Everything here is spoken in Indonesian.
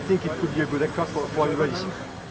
ya mungkin itu bisa menjadi pesawat yang baik untuk pemerintah